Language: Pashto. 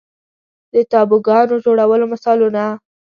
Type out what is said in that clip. د تابوګانو جوړولو مثالونه